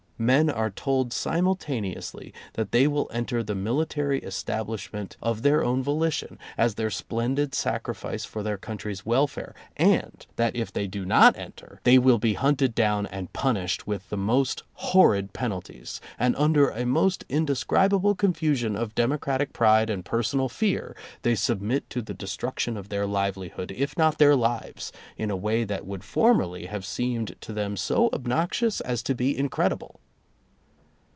Men are told simultaneously that they will enter the military establishment of their own volition, as their splendid sacrifice for their coun try's welfare, and that if they do not enter they will be hunted down and punished with the most horrid penalties; and under a most indescribable confusion of democratic pride and personal fear they submit to the destruction of their livelihood if not their lives, in a way that would formerly have seemed to them so obnoxious as to be incredible.